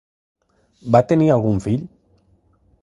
Va tenir algun fill?